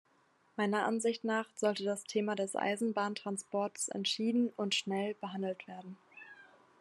Meiner Ansicht nach sollte das Thema des Eisenbahntransports entschieden und schnell behandelt werden.